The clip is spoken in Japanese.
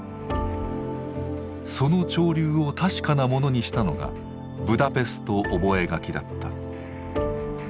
その潮流を確かなものにしたのが「ブダペスト覚書」だった。